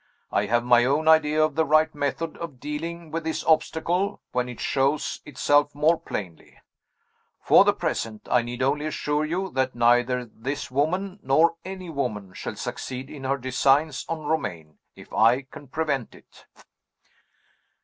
I have my own idea of the right method of dealing with this obstacle when it shows itself more plainly. For the present, I need only assure you that neither this woman nor any woman shall succeed in her designs on Romayne, if I can prevent it."